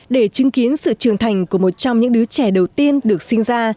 để chứng kiến sự trưởng thành của một trong những đứa trẻ đầu tiên được sinh ra